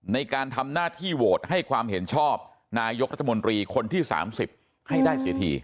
ในการทำหน้าที่โหวตให้ความเห็นชอบนายกรัฐมนตรีคนที่๓๐ให้ได้เสียที